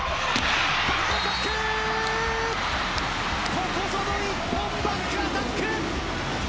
ここぞの日本、バッグアタック。